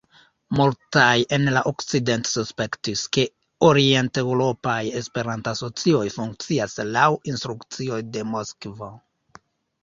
Multaj en la okcidento suspektis, ke orienteŭropaj Esperanto-asocioj funkcias laŭ instrukcioj de Moskvo.